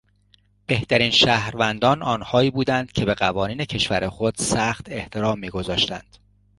بهترین شهروندان آنهایی بودند که به قوانین کشور خود سخت احترام میگذاشتند.